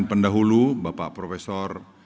pendahulu bapak profesor